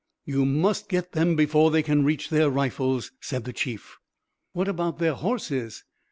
"You must get them before they can reach their rifles," said the Chief. "What about their horses?